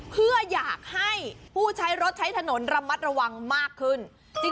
เพื่ออยากให้ผู้ใช้รถใช้ถนนระมัดระวังมากขึ้น